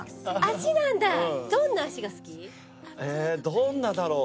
どんなだろう？